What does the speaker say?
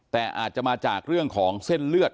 แต่อาจจะมาจากเรื่องของเส้นเลือด